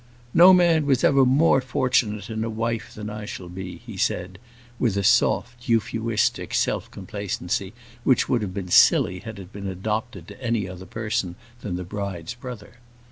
"No man was ever more fortunate in a wife than I shall be," he said, with a soft, euphuistic self complacency, which would have been silly had it been adopted to any other person than the bride's brother.